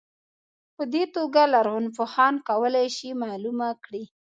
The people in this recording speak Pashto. په دې توګه لرغونپوهان کولای شي معلومه کړي.